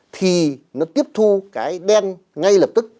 thì nó tiếp thu cái đen ngay lập tức